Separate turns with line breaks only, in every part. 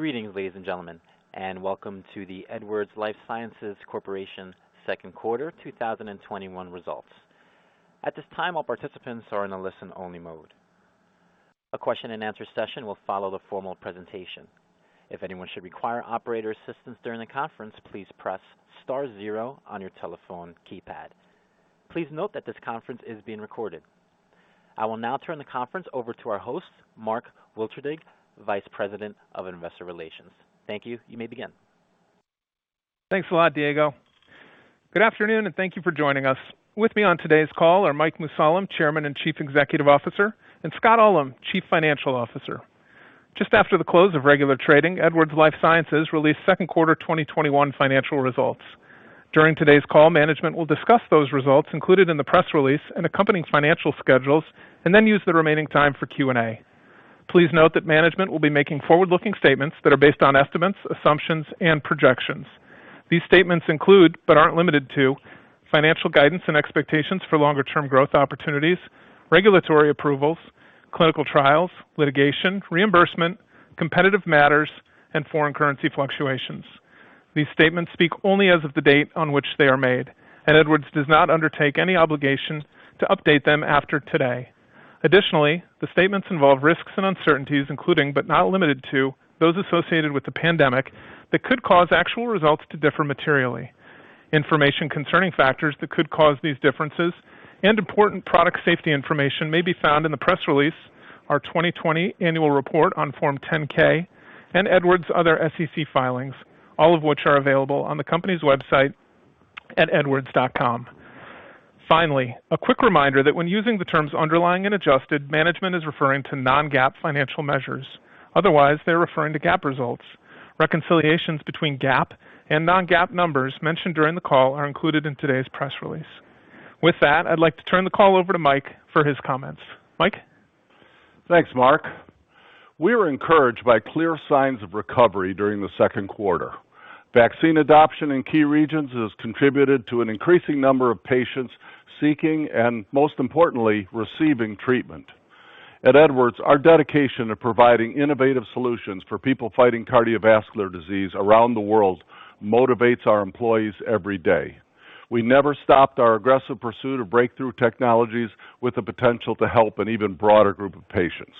Greetings, ladies and gentlemen, and welcome to the Edwards Lifesciences Corporation second quarter 2021 results. At this time, all participants are in listen only mode. A question and answer session will follow the formal presentation. If anyone should require operators assistance during the conference, please press star zero on your telephone keypad. Please note that this conference is being recorded. I will now turn the conference over to our host, Mark Wilterding, Vice President of Investor Relations. Thank you. You may begin.
Thanks a lot, Diego. Good afternoon, thank you for joining us. With me on today's call are Mike Mussallem, Chairman and Chief Executive Officer, and Scott Ullem, Chief Financial Officer. Just after the close of regular trading, Edwards Lifesciences released second quarter 2021 financial results. During today's call, management will discuss those results included in the press release and accompanying financial schedules, and then use the remaining time for Q&A. Please note that management will be making forward-looking statements that are based on estimates, assumptions, and projections. These statements include, but aren't limited to, financial guidance and expectations for longer-term growth opportunities, regulatory approvals, clinical trials, litigation, reimbursement, competitive matters, and foreign currency fluctuations. These statements speak only as of the date on which they are made, Edwards does not undertake any obligation to update them after today. Additionally, the statements involve risks and uncertainties including, but not limited to, those associated with the pandemic that could cause actual results to differ materially. Information concerning factors that could cause these differences and important product safety information may be found in the press release, our 2020 annual report on Form 10-K, and Edwards' other SEC filings, all of which are available on the company's website at edwards.com. Finally, a quick reminder that when using the terms underlying and adjusted, management is referring to non-GAAP financial measures. Otherwise, they're referring to GAAP results. Reconciliations between GAAP and non-GAAP numbers mentioned during the call are included in today's press release. With that, I'd like to turn the call over to Mike for his comments. Mike?
Thanks, Mark. We were encouraged by clear signs of recovery during the second quarter. Vaccine adoption in key regions has contributed to an increasing number of patients seeking and, most importantly, receiving treatment. At Edwards, our dedication to providing innovative solutions for people fighting cardiovascular disease around the world motivates our employees every day. We never stopped our aggressive pursuit of breakthrough technologies with the potential to help an even broader group of patients.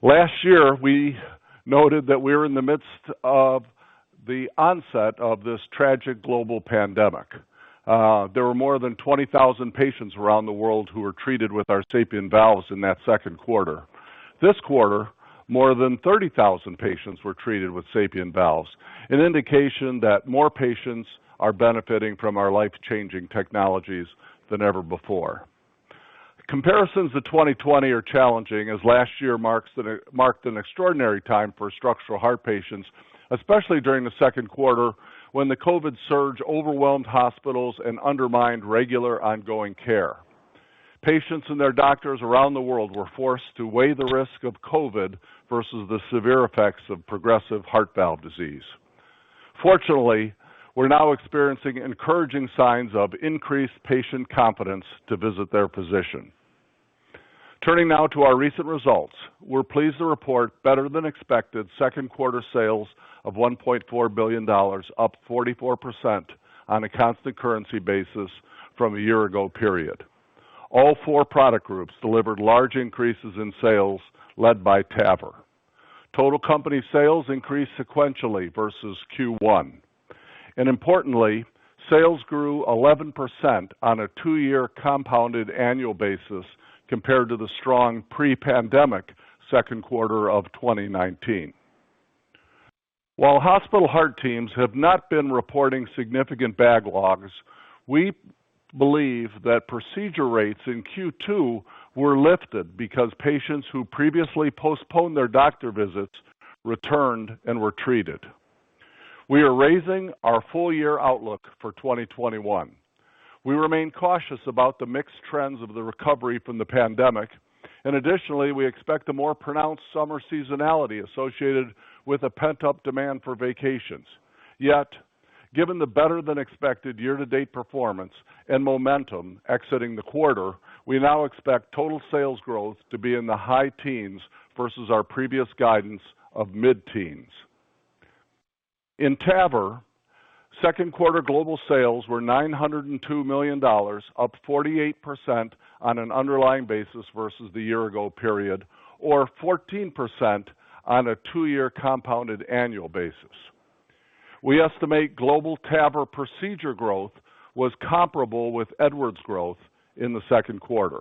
Last year, we noted that we were in the midst of the onset of this tragic global pandemic. There were more than 20,000 patients around the world who were treated with our SAPIEN valves in that second quarter. This quarter, more than 30,000 patients were treated with SAPIEN valves, an indication that more patients are benefiting from our life-changing technologies than ever before. Comparisons to 2020 are challenging, as last year marked an extraordinary time for structural heart patients, especially during the second quarter when the COVID surge overwhelmed hospitals and undermined regular ongoing care. Patients and their doctors around the world were forced to weigh the risk of COVID versus the severe effects of progressive heart valve disease. Fortunately, we're now experiencing encouraging signs of increased patient confidence to visit their physician. Turning now to our recent results. We're pleased to report better than expected second quarter sales of $1.4 billion, up 44% on a constant currency basis from a year-ago period. All four product groups delivered large increases in sales, led by TAVR. Total company sales increased sequentially versus Q1. Importantly, sales grew 11% on a two-year compounded annual basis compared to the strong pre-pandemic second quarter of 2019. While hospital heart teams have not been reporting significant backlogs, we believe that procedure rates in Q2 were lifted because patients who previously postponed their doctor visits returned and were treated. We are raising our full-year outlook for 2021. We remain cautious about the mixed trends of the recovery from the pandemic, and additionally, we expect a more pronounced summer seasonality associated with a pent-up demand for vacations. Yet, given the better-than-expected year-to-date performance and momentum exiting the quarter, we now expect total sales growth to be in the high teens versus our previous guidance of mid-teens. In TAVR, second quarter global sales were $902 million, up 48% on an underlying basis versus the year-ago period, or 14% on a two-year compounded annual basis. We estimate global TAVR procedure growth was comparable with Edwards' growth in the second quarter.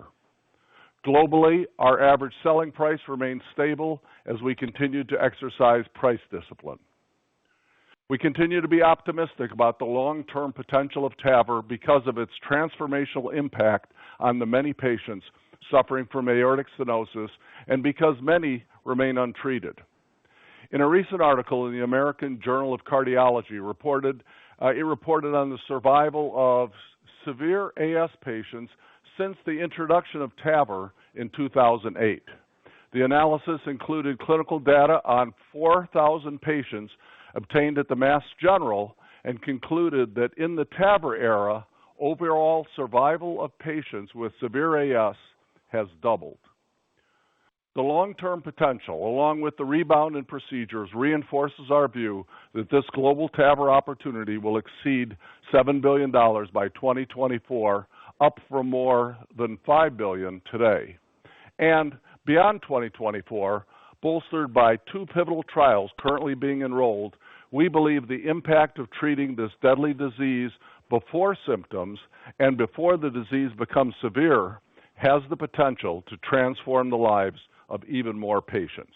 Globally, our average selling price remained stable as we continued to exercise price discipline. We continue to be optimistic about the long-term potential of TAVR because of its transformational impact on the many patients suffering from aortic stenosis and because many remain untreated. In a recent article in The American Journal of Cardiology, it reported on the survival of severe AS patients since the introduction of TAVR in 2008. The analysis included clinical data on 4,000 patients obtained at the Mass General and concluded that in the TAVR era, overall survival of patients with severe AS has doubled. The long-term potential, along with the rebound in procedures, reinforces our view that this global TAVR opportunity will exceed $7 billion by 2024, up from more than $5 billion today. Beyond 2024, bolstered by two pivotal trials currently being enrolled, we believe the impact of treating this deadly disease before symptoms and before the disease becomes severe has the potential to transform the lives of even more patients.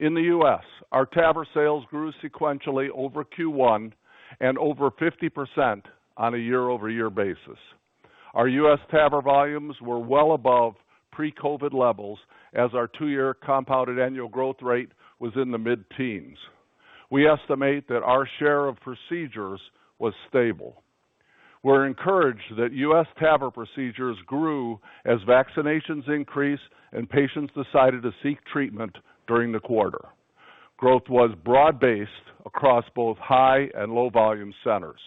In the U.S., our TAVR sales grew sequentially over Q1 and over 50% on a year-over-year basis. Our U.S. TAVR volumes were well above pre-COVID levels as our two-year compounded annual growth rate was in the mid-teens. We estimate that our share of procedures was stable. We're encouraged that U.S. TAVR procedures grew as vaccinations increased and patients decided to seek treatment during the quarter. Growth was broad-based across both high and low-volume centers.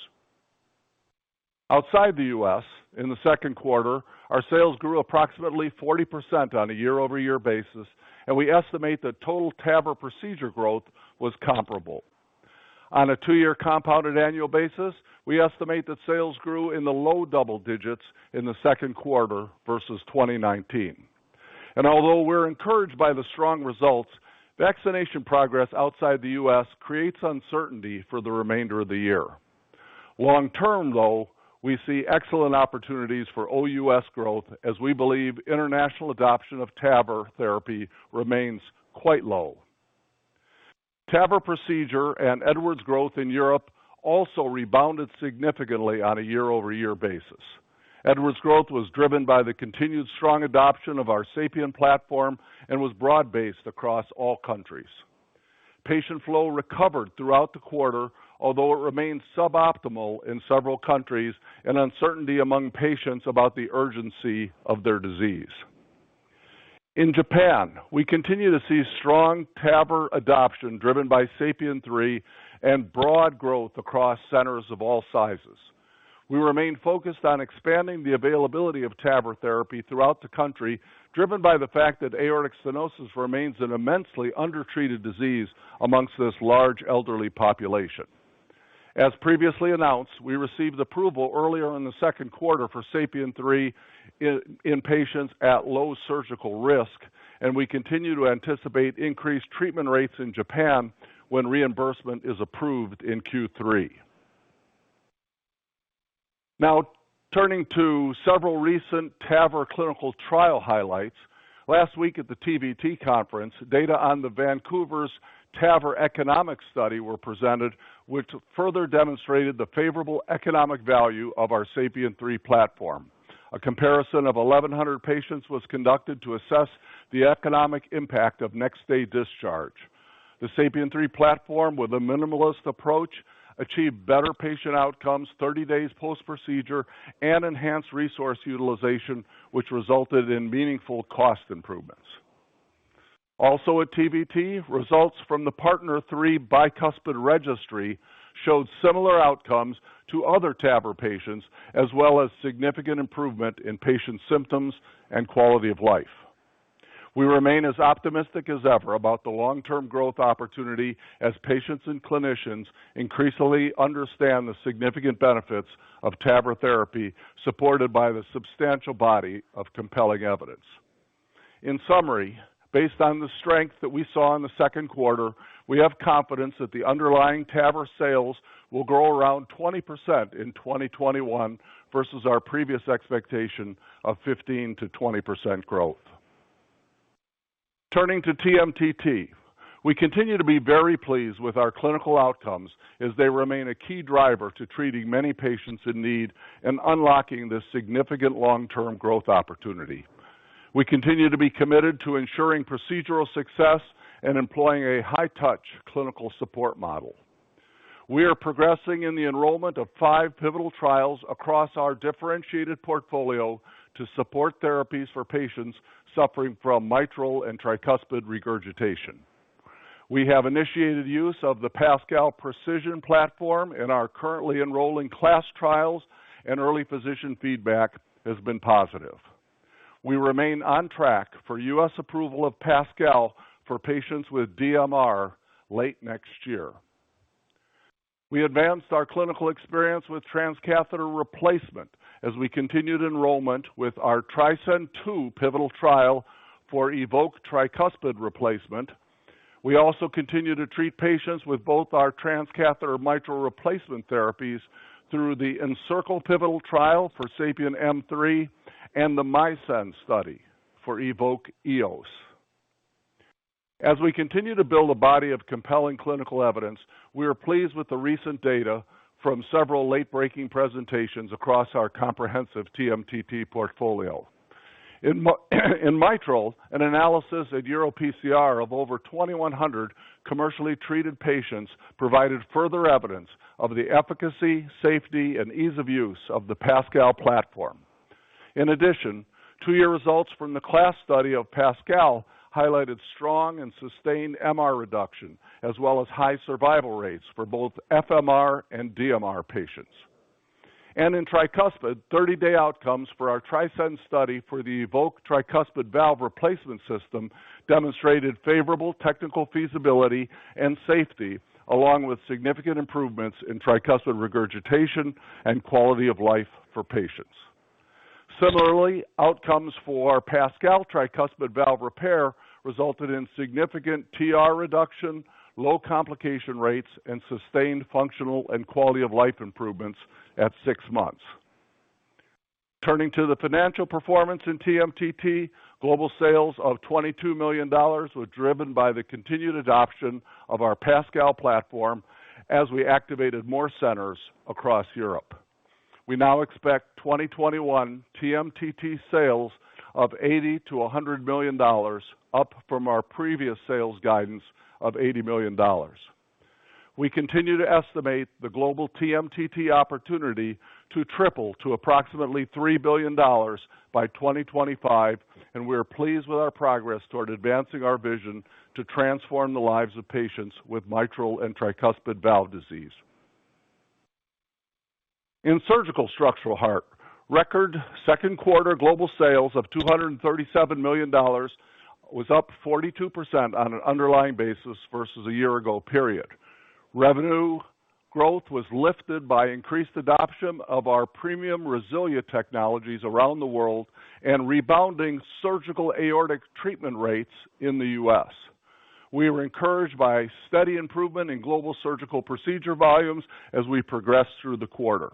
Outside the U.S., in the second quarter, our sales grew approximately 40% on a year-over-year basis, and we estimate that total TAVR procedure growth was comparable. On a two-year compounded annual basis, we estimate that sales grew in the low double digits in the second quarter versus 2019. Although we're encouraged by the strong results, vaccination progress outside the U.S. creates uncertainty for the remainder of the year. Long-term, though, we see excellent opportunities for OUS growth as we believe international adoption of TAVR therapy remains quite low. TAVR procedure and Edwards growth in Europe also rebounded significantly on a year-over-year basis. Edwards growth was driven by the continued strong adoption of our SAPIEN platform and was broad-based across all countries. Patient flow recovered throughout the quarter, although it remained suboptimal in several countries and uncertainty among patients about the urgency of their disease. In Japan, we continue to see strong TAVR adoption driven by SAPIEN 3 and broad growth across centers of all sizes. We remain focused on expanding the availability of TAVR therapy throughout the country, driven by the fact that aortic stenosis remains an immensely undertreated disease amongst this large elderly population. As previously announced, we received approval earlier in the second quarter for SAPIEN 3 in patients at low surgical risk, and we continue to anticipate increased treatment rates in Japan when reimbursement is approved in Q3. Turning to several recent TAVR clinical trial highlights. Last week at the TVT conference, data on the Vancouver's TAVR economic study were presented, which further demonstrated the favorable economic value of our SAPIEN 3 platform. A comparison of 1,100 patients was conducted to assess the economic impact of next-day discharge. The SAPIEN 3 platform, with a minimalist approach, achieved better patient outcomes 30 days post-procedure and enhanced resource utilization, which resulted in meaningful cost improvements. At TVT, results from the PARTNER 3 bicuspid registry showed similar outcomes to other TAVR patients, as well as significant improvement in patient symptoms and quality of life. We remain as optimistic as ever about the long-term growth opportunity as patients and clinicians increasingly understand the significant benefits of TAVR therapy, supported by the substantial body of compelling evidence. In summary, based on the strength that we saw in the second quarter, we have confidence that the underlying TAVR sales will grow around 20% in 2021 versus our previous expectation of 15%-20% growth. Turning to TMTT. We continue to be very pleased with our clinical outcomes as they remain a key driver to treating many patients in need and unlocking this significant long-term growth opportunity. We continue to be committed to ensuring procedural success and employing a high-touch clinical support model. We are progressing in the enrollment of five pivotal trials across our differentiated portfolio to support therapies for patients suffering from mitral and tricuspid regurgitation. We have initiated use of the PASCAL Precision platform and are currently enrolling CLASP trials and early physician feedback has been positive. We remain on track for U.S. approval of PASCAL for patients with DMR late next year. We advanced our clinical experience with transcatheter replacement as we continued enrollment with our TRISCEND II pivotal trial for EVOQUE tricuspid replacement. We also continue to treat patients with both our transcatheter mitral replacement therapies through the ENCIRCLE pivotal trial for SAPIEN M3 and the MISCEND study for EVOQUE Eos. As we continue to build a body of compelling clinical evidence, we are pleased with the recent data from several late-breaking presentations across our comprehensive TMTT portfolio. In mitral, an analysis at EuroPCR of over 2,100 commercially treated patients provided further evidence of the efficacy, safety, and ease of use of the PASCAL platform. In addition, two-year results from the CLASP study of PASCAL highlighted strong and sustained MR reduction, as well as high survival rates for both FMR and DMR patients. In tricuspid, 30-day outcomes for our TRISCEND study for the EVOQUE tricuspid valve replacement system demonstrated favorable technical feasibility and safety, along with significant improvements in tricuspid regurgitation and quality of life for patients. Similarly, outcomes for our PASCAL tricuspid valve repair resulted in significant TR reduction, low complication rates, and sustained functional and quality-of-life improvements at 6 months. Turning to the financial performance in TMTT, global sales of $22 million were driven by the continued adoption of our PASCAL platform as we activated more centers across Europe. We now expect 2021 TMTT sales of $80 million-$100 million, up from our previous sales guidance of $80 million. We continue to estimate the global TMTT opportunity to triple to approximately $3 billion by 2025, and we are pleased with our progress toward advancing our vision to transform the lives of patients with mitral and tricuspid valve disease. In Surgical Structural Heart, record second quarter global sales of $237 million was up 42% on an underlying basis versus a year ago period. Revenue growth was lifted by increased adoption of our premium RESILIA technologies around the world and rebounding surgical aortic treatment rates in the U.S. We were encouraged by steady improvement in global surgical procedure volumes as we progressed through the quarter.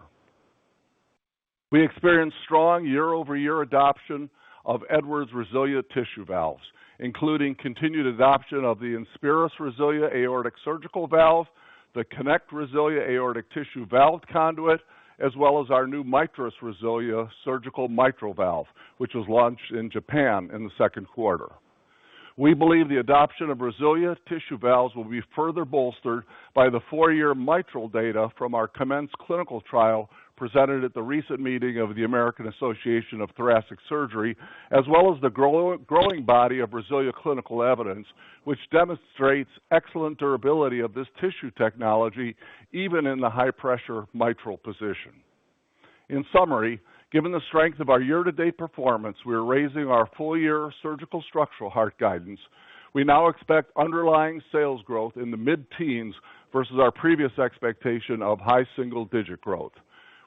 We experienced strong year-over-year adoption of Edwards' RESILIA tissue valves, including continued adoption of the INSPIRIS RESILIA aortic surgical valve, the KONECT RESILIA aortic tissue valve conduit, as well as our new MITRIS RESILIA surgical mitral valve, which was launched in Japan in the second quarter. We believe the adoption of RESILIA tissue valves will be further bolstered by the four-year mitral data from our COMMENCE clinical trial presented at the recent meeting of the American Association of Thoracic Surgery, as well as the growing body of RESILIA clinical evidence, which demonstrates excellent durability of this tissue technology, even in the high-pressure mitral position. In summary, given the strength of our year-to-date performance, we are raising our full-year surgical structural heart guidance. We now expect underlying sales growth in the mid-teens versus our previous expectation of high single-digit growth.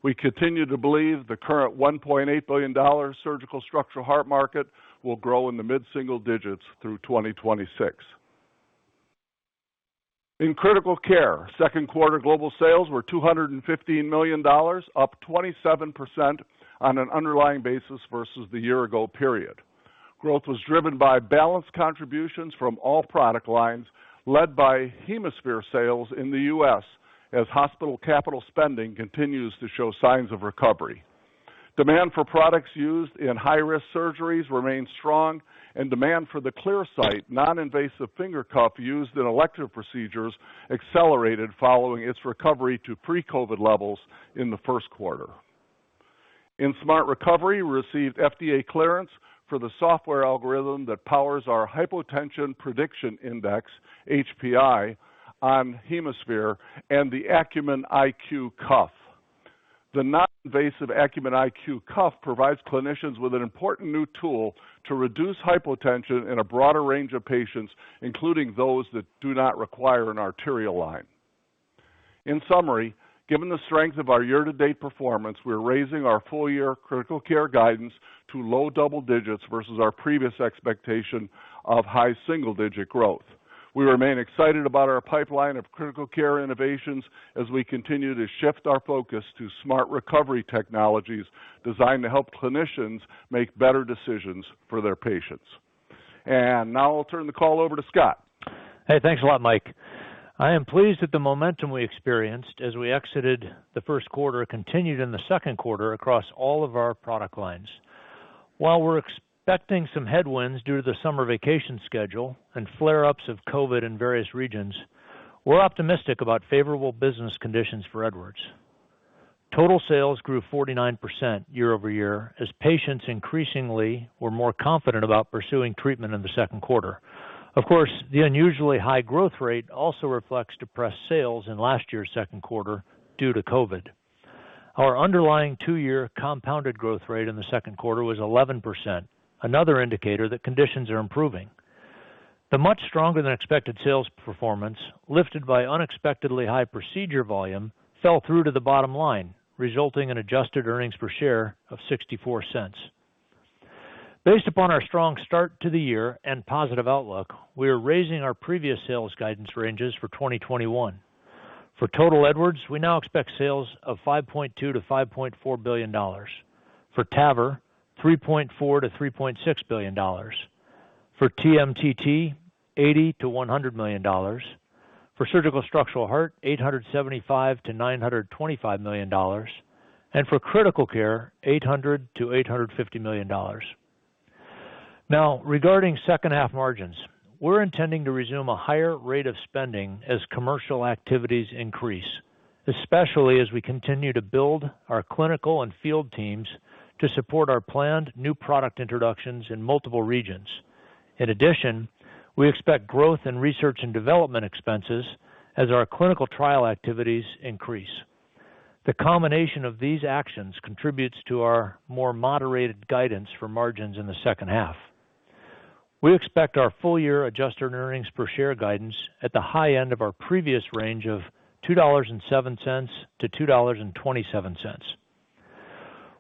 We continue to believe the current $1.8 billion surgical structural heart market will grow in the mid-single digits through 2026. In Critical Care, second quarter global sales were $215 million, up 27% on an underlying basis versus the year-ago period. Growth was driven by balanced contributions from all product lines, led by HemoSphere sales in the U.S. as hospital capital spending continues to show signs of recovery. Demand for products used in high-risk surgeries remains strong, and demand for the ClearSight non-invasive finger cuff used in elective procedures accelerated following its recovery to pre-COVID levels in the first quarter. In smart recovery, we received FDA clearance for the software algorithm that powers our Hypotension Prediction Index, HPI, on HemoSphere and the Acumen IQ cuff. The non-invasive Acumen IQ cuff provides clinicians with an important new tool to reduce hypotension in a broader range of patients, including those that do not require an arterial line. In summary, given the strength of our year-to-date performance, we are raising our full-year critical care guidance to low double digits versus our previous expectation of high single-digit growth. We remain excited about our pipeline of critical care innovations as we continue to shift our focus to smart recovery technologies designed to help clinicians make better decisions for their patients. Now I'll turn the call over to Scott.
Hey, thanks a lot, Mike. I am pleased that the momentum we experienced as we exited the first quarter continued in the second quarter across all of our product lines. While we're expecting some headwinds due to the summer vacation schedule and flare-ups of COVID in various regions, we're optimistic about favorable business conditions for Edwards. Total sales grew 49% year-over-year as patients increasingly were more confident about pursuing treatment in the second quarter. Of course, the unusually high growth rate also reflects depressed sales in last year's second quarter due to COVID. Our underlying two-year compounded growth rate in the second quarter was 11%, another indicator that conditions are improving. The much stronger-than-expected sales performance, lifted by unexpectedly high procedure volume, fell through to the bottom line, resulting in adjusted earnings per share of $0.64. Based upon our strong start to the year and positive outlook, we are raising our previous sales guidance ranges for 2021. For total Edwards, we now expect sales of $5.2 billion-$5.4 billion. For TAVR, $3.4 billion-$3.6 billion. For TMTT, $80 million-$100 million. For Surgical Structural Heart, $875 million-$925 million, and for Critical Care, $800 million-$850 million. Regarding second half margins, we're intending to resume a higher rate of spending as commercial activities increase, especially as we continue to build our clinical and field teams to support our planned new product introductions in multiple regions. In addition, we expect growth in research and development expenses as our clinical trial activities increase. The combination of these actions contributes to our more moderated guidance for margins in the second half. We expect our full-year adjusted earnings per share guidance at the high end of our previous range of $2.07-$2.27.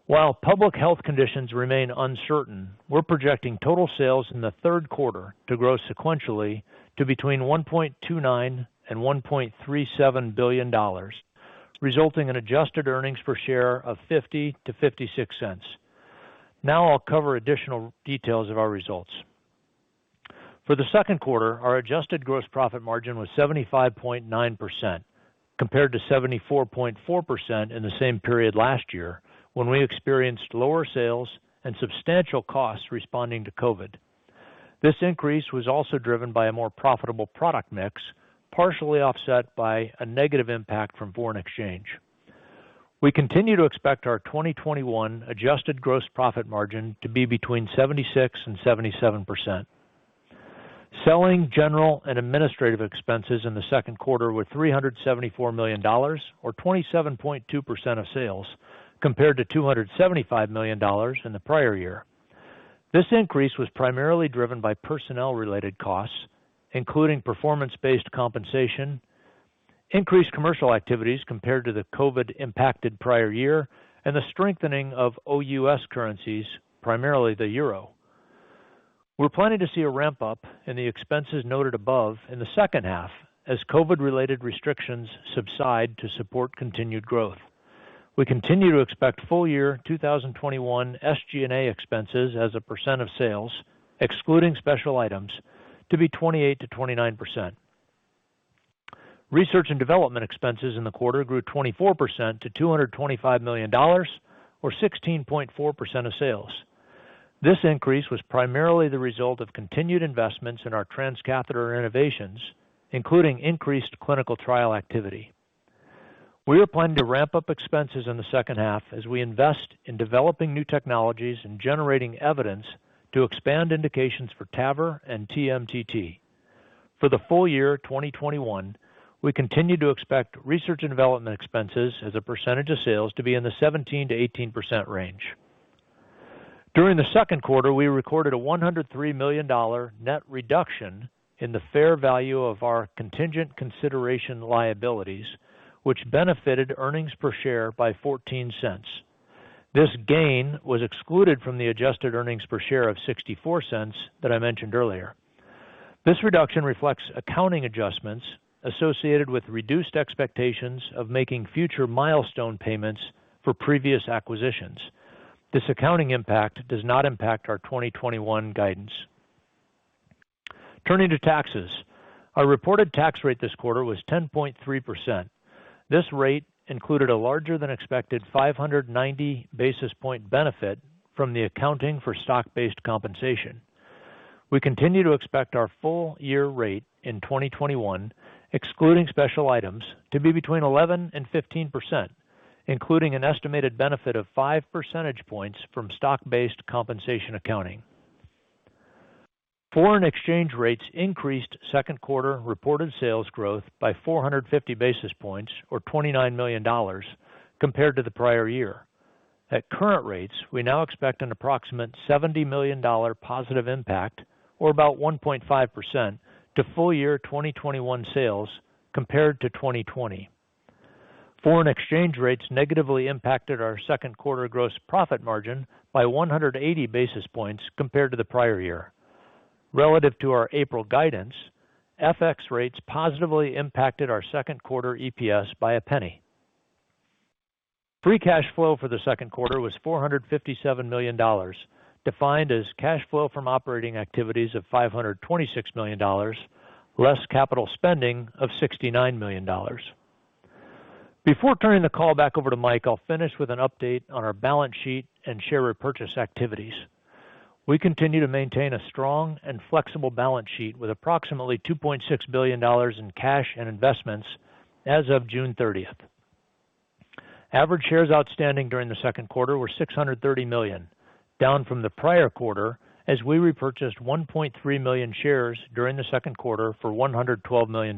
While public health conditions remain uncertain, we're projecting total sales in the third quarter to grow sequentially to between $1.29 billion and $1.37 billion, resulting in adjusted earnings per share of $0.50-$0.56. I'll cover additional details of our results. For the second quarter, our adjusted gross profit margin was 75.9%, compared to 74.4% in the same period last year, when we experienced lower sales and substantial costs responding to COVID. This increase was also driven by a more profitable product mix, partially offset by a negative impact from foreign exchange. We continue to expect our 2021 adjusted gross profit margin to be between 76% and 77%. Selling general and administrative expenses in the second quarter were $374 million, or 27.2% of sales, compared to $275 million in the prior year. This increase was primarily driven by personnel-related costs, including performance-based compensation, increased commercial activities compared to the COVID-impacted prior year, and the strengthening of OUS currencies, primarily the euro. We're planning to see a ramp-up in the expenses noted above in the second half as COVID-related restrictions subside to support continued growth. We continue to expect full-year 2021 SG&A expenses as a % of sales, excluding special items, to be 28%-29%. Research and development expenses in the quarter grew 24% to $225 million, or 16.4% of sales. This increase was primarily the result of continued investments in our transcatheter innovations, including increased clinical trial activity. We are planning to ramp up expenses in the second half as we invest in developing new technologies and generating evidence to expand indications for TAVR and TMTT. For the full year 2021, we continue to expect research and development expenses as a percentage of sales to be in the 17%-18% range. During the second quarter, we recorded a $103 million net reduction in the fair value of our contingent consideration liabilities, which benefited earnings per share by $0.14. This gain was excluded from the adjusted earnings per share of $0.64 that I mentioned earlier. This reduction reflects accounting adjustments associated with reduced expectations of making future milestone payments for previous acquisitions. This accounting impact does not impact our 2021 guidance. Turning to taxes. Our reported tax rate this quarter was 10.3%. This rate included a larger-than-expected 590-basis-point benefit from the accounting for stock-based compensation. We continue to expect our full-year rate in 2021, excluding special items, to be between 11% and 15%, including an estimated benefit of 5 percentage points from stock-based compensation accounting. Foreign exchange rates increased second-quarter reported sales growth by 450 basis points, or $29 million, compared to the prior year. At current rates, we now expect an approximate $70 million positive impact, or about 1.5%, to full-year 2021 sales compared to 2020. Foreign exchange rates negatively impacted our second quarter gross profit margin by 180 basis points compared to the prior year. Relative to our April guidance, FX rates positively impacted our second quarter EPS by $0.01. Free cash flow for the second quarter was $457 million, defined as cash flow from operating activities of $526 million, less capital spending of $69 million. Before turning the call back over to Mike, I'll finish with an update on our balance sheet and share repurchase activities. We continue to maintain a strong and flexible balance sheet with approximately $2.6 billion in cash and investments as of June 30th. Average shares outstanding during the second quarter were 630 million, down from the prior quarter as we repurchased 1.3 million shares during the second quarter for $112 million.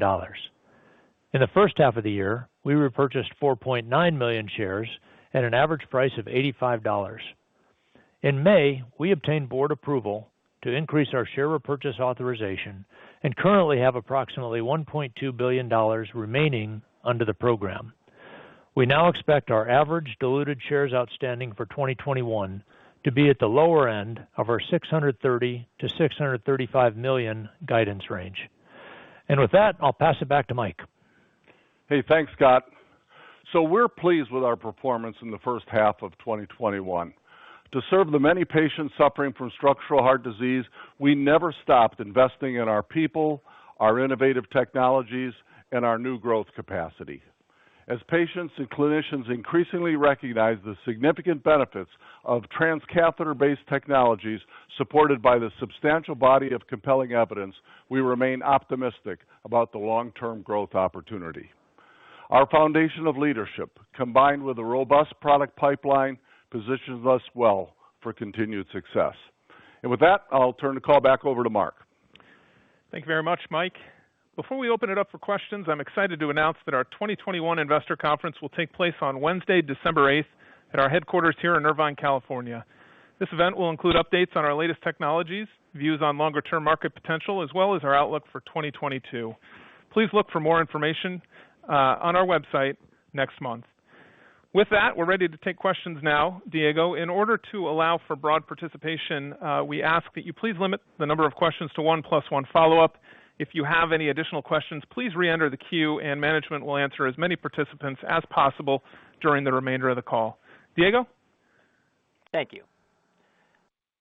In the first half of the year, we repurchased 4.9 million shares at an average price of $85. In May, we obtained board approval to increase our share repurchase authorization and currently have approximately $1.2 billion remaining under the program. We now expect our average diluted shares outstanding for 2021 to be at the lower end of our 630 million-635 million guidance range. With that, I'll pass it back to Mike.
Hey, thanks, Scott. We're pleased with our performance in the first half of 2021. To serve the many patients suffering from structural heart disease, we never stopped investing in our people, our innovative technologies, and our new growth capacity. As patients and clinicians increasingly recognize the significant benefits of transcatheter-based technologies supported by the substantial body of compelling evidence, we remain optimistic about the long-term growth opportunity. Our foundation of leadership, combined with a robust product pipeline, positions us well for continued success. With that, I'll turn the call back over to Mark.
Thank you very much, Mike. Before we open it up for questions, I'm excited to announce that our 2021 investor conference will take place on Wednesday, December 8th at our headquarters here in Irvine, California. This event will include updates on our latest technologies, views on longer-term market potential, as well as our outlook for 2022. Please look for more information on our website next month. With that, we're ready to take questions now. Diego, in order to allow for broad participation, we ask that you please limit the number of questions to one plus one follow-up. If you have any additional questions, please re-enter the queue and management will answer as many participants as possible during the remainder of the call. Diego?
Thank you.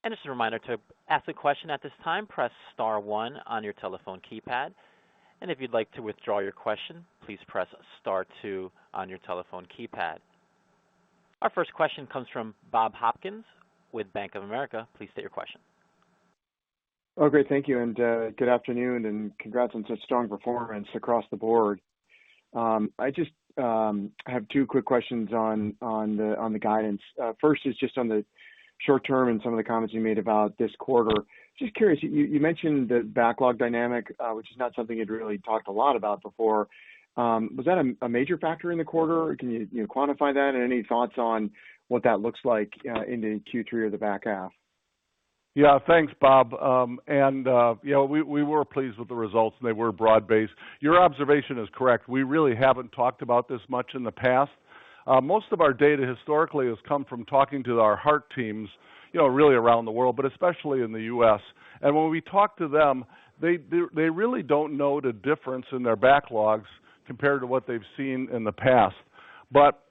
And just a reminder to ask a question at this time press star one on your telephone keypad, and if you'd like to withdraw your question, please press star two on your telephone keypad . Our first question comes from Bob Hopkins with Bank of America.
Oh, great. Thank you, and good afternoon, and congrats on such strong performance across the board. I just have two quick questions on the guidance. First is just on the short term and some of the comments you made about this quarter. Just curious, you mentioned the backlog dynamic, which is not something you'd really talked a lot about before. Was that a major factor in the quarter? Can you quantify that? Any thoughts on what that looks like in Q3 or the back half?
Thanks, Bob. We were pleased with the results, and they were broad-based. Your observation is correct. We really haven't talked about this much in the past. Most of our data historically has come from talking to our heart teams really around the world, but especially in the U.S. When we talk to them, they really don't note a difference in their backlogs compared to what they've seen in the past.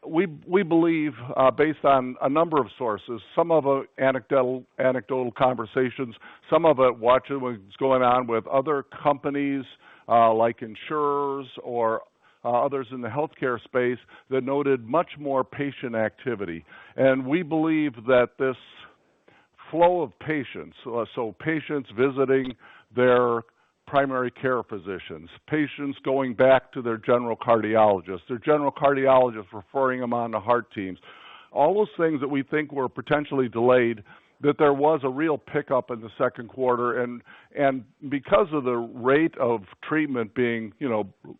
We believe, based on a number of sources, some of them anecdotal conversations, some of it watching what's going on with other companies, like insurers or others in the healthcare space, that noted much more patient activity. We believe that this flow of patients, so patients visiting their primary care physicians, patients going back to their general cardiologists, their general cardiologists referring them on to heart teams, all those things that we think were potentially delayed, that there was a real pickup in the second quarter. Because of the rate of treatment being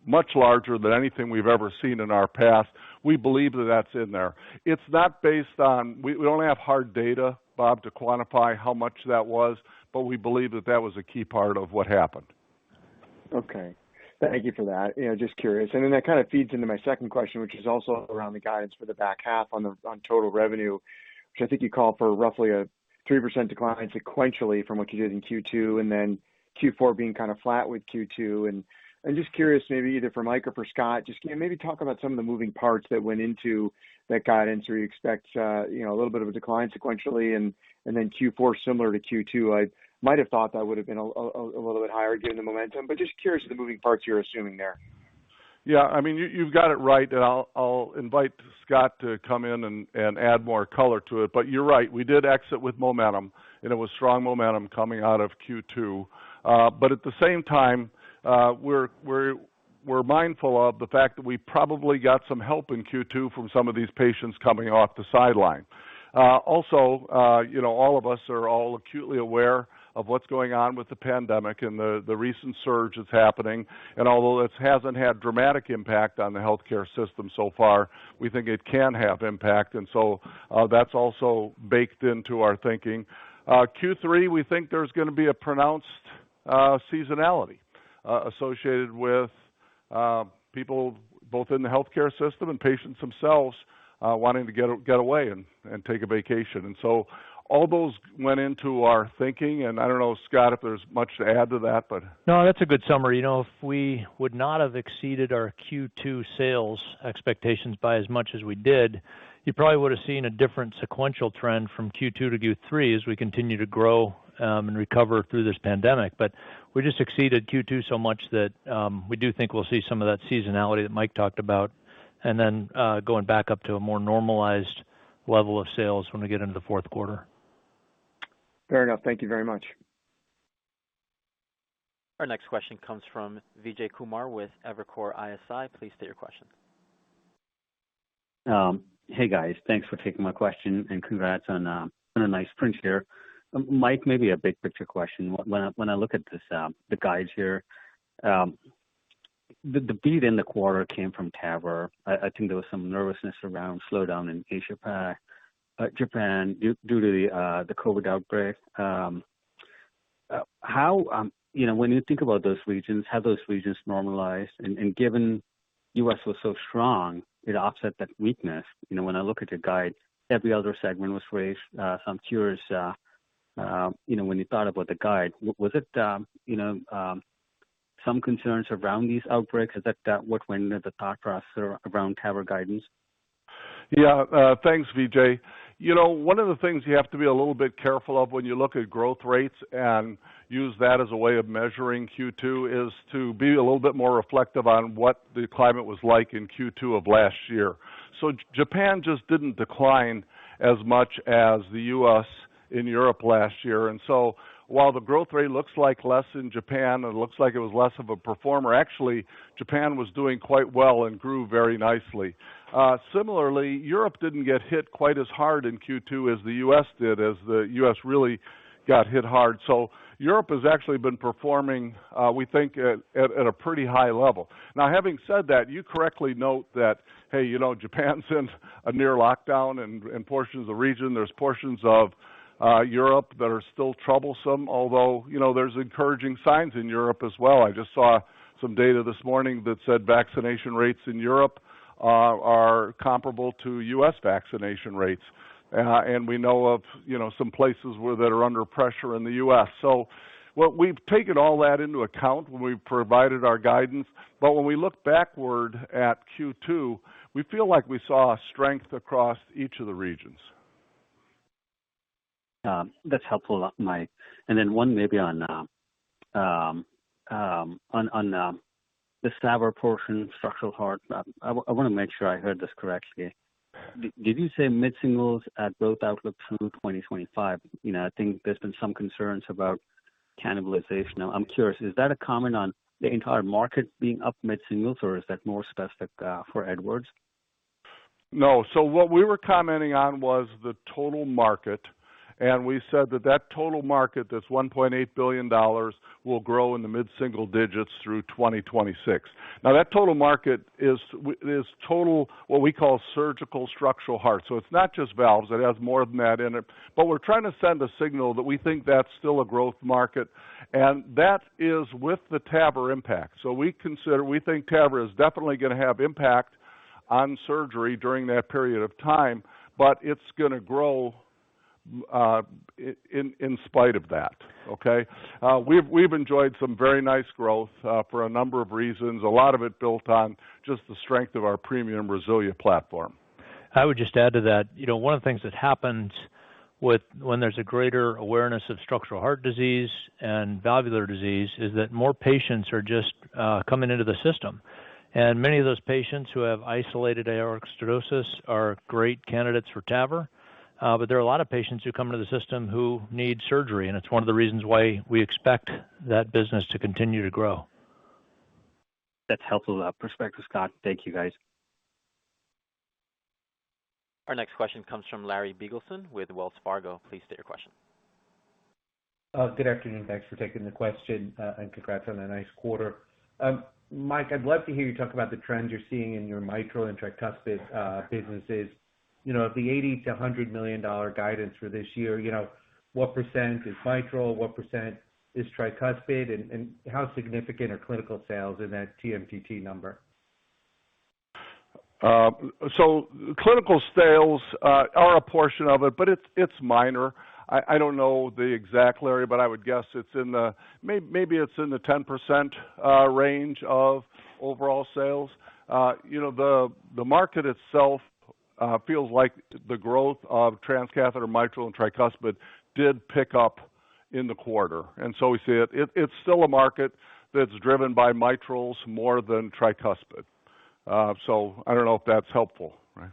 much larger than anything we've ever seen in our past, we believe that that's in there. We only have hard data, Bob, to quantify how much that was, but we believe that that was a key part of what happened.
Okay. Thank you for that. Just curious. Then that kind of feeds into my second question, which is also around the guidance for the back half on total revenue, which I think you call for roughly a 3% decline sequentially from what you did in Q2, then Q4 being kind of flat with Q2. Just curious, maybe either for Michael A. Mussallem or for Scott Ullem, just can you maybe talk about some of the moving parts that went into that guidance where you expect a little bit of a decline sequentially then Q4 similar to Q2? I might have thought that would've been a little bit higher given the momentum, but just curious to the moving parts you're assuming there.
Yeah, you've got it right. I'll invite Scott Ullem to come in and add more color to it. You're right, we did exit with momentum, and it was strong momentum coming out of Q2. At the same time, we're mindful of the fact that we probably got some help in Q2 from some of these patients coming off the sideline. Also, all of us are acutely aware of what's going on with the pandemic and the recent surge that's happening. Although this hasn't had dramatic impact on the healthcare system so far, we think it can have impact. That's also baked into our thinking. Q3, we think there's going to be a pronounced seasonality associated with people both in the healthcare system and patients themselves wanting to get away and take a vacation. All those went into our thinking. I don't know, Scott, if there's much to add to that.
No, that's a good summary. If we would not have exceeded our Q2 sales expectations by as much as we did, you probably would've seen a different sequential trend from Q2 to Q3 as we continue to grow and recover through this pandemic. We just exceeded Q2 so much that we do think we'll see some of that seasonality that Mike talked about, and then going back up to a more normalized level of sales when we get into the fourth quarter.
Fair enough. Thank you very much.
Our next question comes from Vijay Kumar with Evercore ISI. Please state your question.
Hey, guys. Thanks for taking my question, and congrats on a nice print here. Mike, maybe a big-picture question. When I look at the guides here, the beat in the quarter came from TAVR. I think there was some nervousness around slowdown in Asia-Pac, Japan due to the COVID outbreak. When you think about those regions, have those regions normalized? Given U.S. was so strong, it offset that weakness. When I look at your guide, every other segment was raised. I'm curious, when you thought about the guide, was it some concerns around these outbreaks? Is that what went into the thought process around TAVR guidance?
Thanks, Vijay. One of the things you have to be a little bit careful of when you look at growth rates and use that as a way of measuring Q2 is to be a little bit more reflective on what the climate was like in Q2 of last year. Japan just didn't decline as much as the U.S. and Europe last year. While the growth rate looks like less in Japan, and it looks like it was less of a performer, actually, Japan was doing quite well and grew very nicely. Similarly, Europe didn't get hit quite as hard in Q2 as the U.S. did, as the U.S. really got hit hard. Europe has actually been performing, we think, at a pretty high level. Now, having said that, you correctly note that, hey, Japan's in a near lockdown in portions of the region. There's portions of Europe that are still troublesome, although there's encouraging signs in Europe as well. I just saw some data this morning that said vaccination rates in Europe are comparable to U.S. vaccination rates. We know of some places that are under pressure in the U.S. We've taken all that into account when we've provided our guidance. When we look backward at Q2, we feel like we saw strength across each of the regions.
That's helpful, Mike. Then one maybe on the TAVR portion, structural heart. I want to make sure I heard this correctly. Did you say mid-singles at growth outlook through 2025? I think there's been some concerns about cannibalization. I'm curious, is that a comment on the entire market being up mid-singles, or is that more specific for Edwards?
What we were commenting on was the total market. We said that that total market, this $1.8 billion will grow in the mid-single digits through 2026. That total market is total what we call surgical structural heart. It's not just valves. It has more than that in it. We're trying to send a signal that we think that's still a growth market. That is with the TAVR impact. We think TAVR is definitely going to have impact on surgery during that period of time, but it's going to grow in spite of that. Okay? We've enjoyed some very nice growth for a number of reasons. A lot of it built on just the strength of our premium RESILIA platform.
I would just add to that. One of the things that happens when there's a greater awareness of structural heart disease and valvular disease is that more patients are just coming into the system. Many of those patients who have isolated aortic stenosis are great candidates for TAVR. There are a lot of patients who come into the system who need surgery, and it's one of the reasons why we expect that business to continue to grow.
That's helpful perspective, Scott. Thank you, guys.
Our next question comes from Larry Biegelsen with Wells Fargo. Please state your question.
Good afternoon. Thanks for taking the question, and congrats on a nice quarter. Mike, I'd love to hear you talk about the trends you're seeing in your mitral and tricuspid businesses. Of the $80 million-$100 million guidance for this year, what percent is mitral? What percent is tricuspid? How significant are clinical sales in that TMTT number?
Clinical sales are a portion of it, but it's minor. I don't know the exact, Larry, but I would guess maybe it's in the 10% range of overall sales. The market itself feels like the growth of transcatheter mitral and tricuspid did pick up in the quarter. We see it. It's still a market that's driven by mitrals more than tricuspid. I don't know if that's helpful. Right.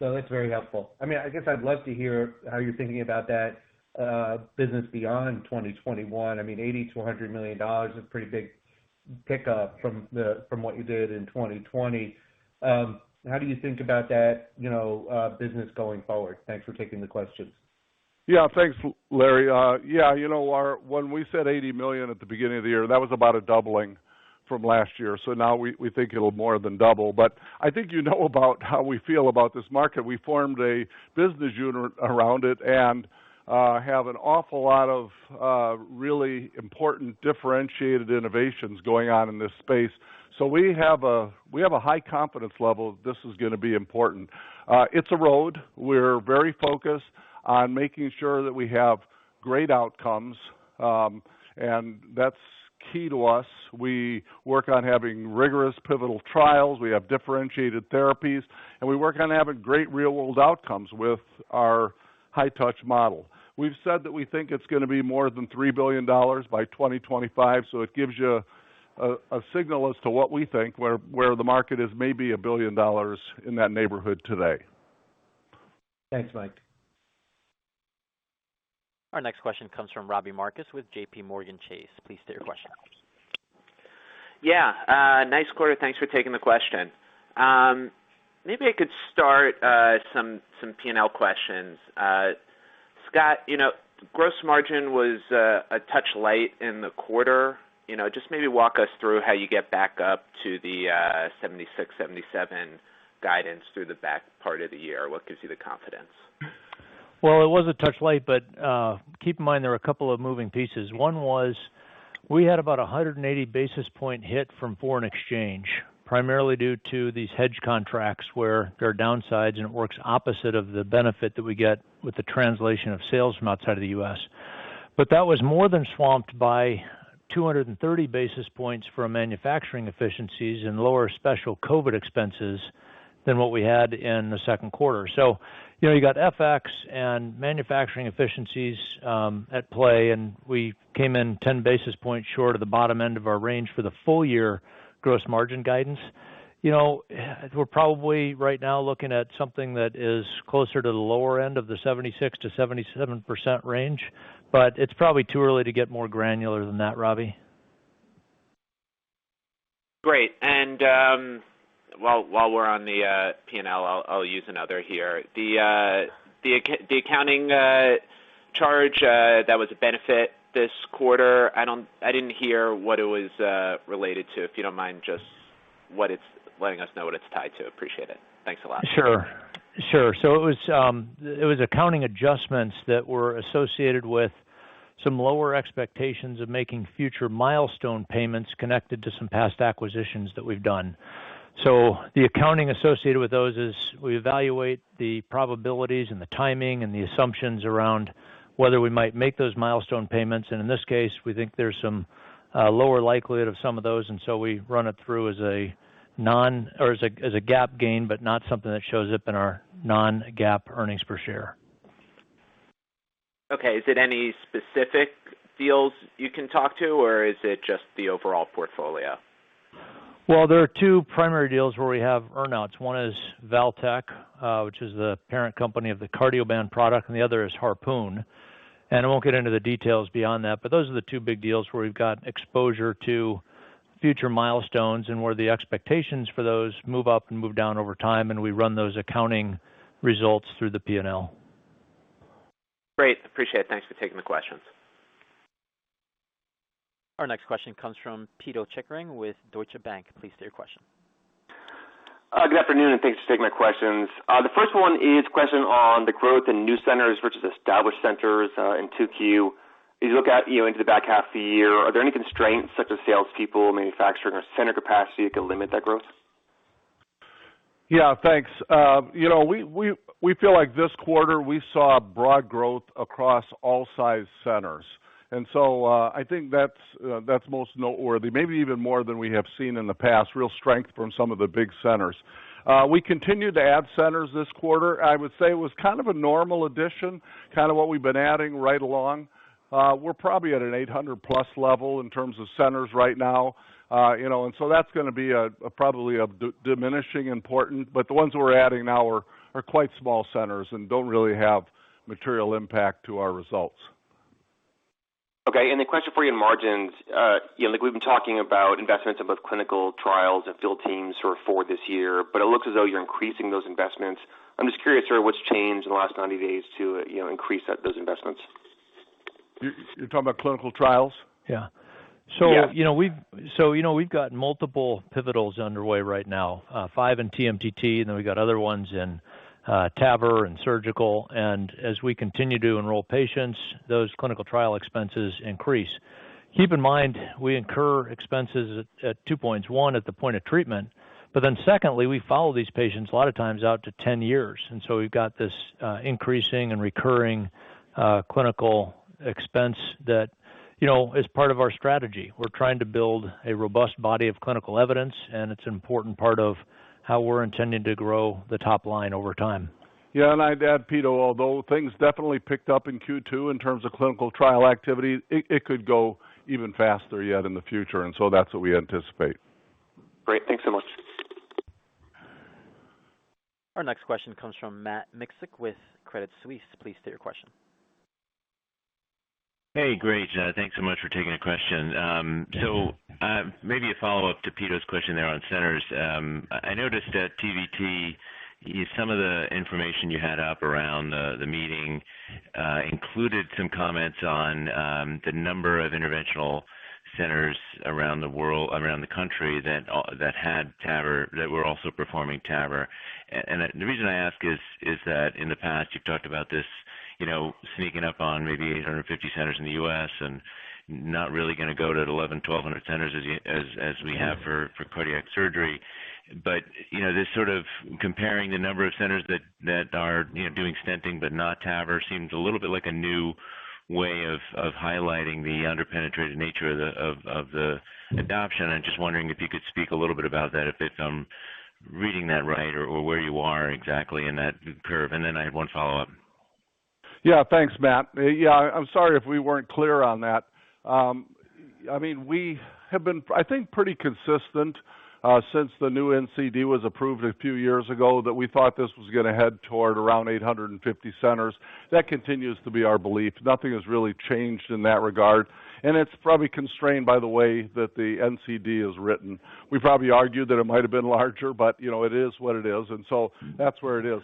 No, it's very helpful. I guess I'd love to hear how you're thinking about that business beyond 2021. I mean, $80 million-$100 million is a pretty big pickup from what you did in 2020. How do you think about that business going forward? Thanks for taking the question.
Thanks, Larry. When we said $80 million at the beginning of the year, that was about a doubling from last year. Now we think it'll more than double. I think you know about how we feel about this market. We formed a business unit around it and have an awful lot of really important differentiated innovations going on in this space. We have a high confidence level that this is going to be important. It's a road. We're very focused on making sure that we have great outcomes. That's key to us. We work on having rigorous pivotal trials. We have differentiated therapies, and we work on having great real-world outcomes with our high-touch model. We've said that we think it's going to be more than $3 billion by 2025. It gives you a signal as to what we think where the market is maybe $1 billion in that neighborhood today.
Thanks, Mike.
Our next question comes from Robbie Marcus with JPMorgan Chase. Please state your question.
Yeah. Nice quarter. Thanks for taking the question. Maybe I could start some P&L questions. Scott, gross margin was a touch light in the quarter. Just maybe walk us through how you get back up to the 76%-77% guidance through the back part of the year. What gives you the confidence?
Well, it was a touch light, but keep in mind there were a couple of moving pieces. One was we had about 180 basis points hit from foreign exchange, primarily due to these hedge contracts where there are downsides, and it works opposite of the benefit that we get with the translation of sales from outside of the U.S. That was more than swamped by 230 basis points for manufacturing efficiencies and lower special COVID expenses than what we had in the second quarter. You got FX and manufacturing efficiencies at play, and we came in 10 basis points short of the bottom end of our range for the full year gross margin guidance. We're probably right now looking at something that is closer to the lower end of the 76%-77% range, but it's probably too early to get more granular than that, Robbie.
Great. While we're on the P&L, I'll use another here. The accounting charge that was a benefit this quarter, I didn't hear what it was related to. If you don't mind, just letting us know what it's tied to. Appreciate it. Thanks a lot.
Sure. It was accounting adjustments that were associated with some lower expectations of making future milestone payments connected to some past acquisitions that we've done. The accounting associated with those is we evaluate the probabilities and the timing and the assumptions around whether we might make those milestone payments. In this case, we think there's some lower likelihood of some of those, we run it through as a GAAP gain, but not something that shows up in our non-GAAP earnings per share.
Okay. Is it any specific deals you can talk to, or is it just the overall portfolio?
Well, there are two primary deals where we have earn-outs. One is Valtech, which is the parent company of the Cardioband product, and the other is Harpoon. I won't get into the details beyond that, but those are the two big deals where we've got exposure to future milestones and where the expectations for those move up and move down over time, and we run those accounting results through the P&L.
Great. Appreciate it. Thanks for taking the questions.
Our next question comes from Pito Chickering with Deutsche Bank. Please state your question.
Good afternoon. Thanks for taking my questions. The first one is a question on the growth in new centers versus established centers in 2Q. As you look out into the back half of the year, are there any constraints such as salespeople, manufacturing, or center capacity that could limit that growth?
Yeah, thanks. We feel like this quarter we saw broad growth across all size centers. I think that's most noteworthy, maybe even more than we have seen in the past. Real strength from some of the big centers. We continued to add centers this quarter. I would say it was kind of a normal addition, kind of what we've been adding right along. We're probably at an 800+ level in terms of centers right now. That's going to be probably of diminishing importance. The ones we're adding now are quite small centers and don't really have material impact to our results.
Okay. A question for you on margins. We've been talking about investments in both clinical trials and field teams for this year, but it looks as though you're increasing those investments. I'm just curious, sort of what's changed in the last 90 days to increase those investments?
You're talking about clinical trials?
Yeah.
We've got multiple pivotals underway right now. Five in TMTT, we've got other ones in TAVR and surgical. As we continue to enroll patients, those clinical trial expenses increase. Keep in mind, we incur expenses at two points. One, at the point of treatment, secondly, we follow these patients a lot of times out to 10 years. We've got this increasing and recurring clinical expense that is part of our strategy. We're trying to build a robust body of clinical evidence, it's an important part of how we're intending to grow the top line over time.
Yeah, I'd add, Pito, although things definitely picked up in Q2 in terms of clinical trial activity, it could go even faster yet in the future. That's what we anticipate.
Great. Thanks so much.
Our next question comes from Matt Miksic with Credit Suisse. Please state your question.
Hey, great. Thanks so much for taking a question. Maybe a follow-up to Pito's question there on centers. I noticed at TVT, some of the information you had up around the meeting included some comments on the number of interventional centers around the country that were also performing TAVR. The reason I ask is that in the past, you've talked about this sneaking up on maybe 850 centers in the U.S. and not really going to go to the 1,100, 1,200 centers as we have for cardiac surgery. This sort of comparing the number of centers that are doing stenting but not TAVR seems a little bit like a new way of highlighting the under-penetrated nature of the adoption. I'm just wondering if you could speak a little bit about that, if I'm reading that right, or where you are exactly in that curve. I have one follow-up.
Thanks, Matt. I'm sorry if we weren't clear on that. We have been, I think, pretty consistent since the new NCD was approved a few years ago that we thought this was going to head toward around 850 centers. That continues to be our belief. Nothing has really changed in that regard, and it's probably constrained by the way that the NCD is written. We probably argued that it might've been larger. It is what it is, that's where it is.